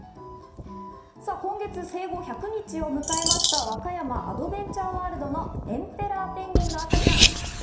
今月、生後１００日を迎えました、和歌山アドベンチャーワールドのエンペラーペンギンの赤ちゃん。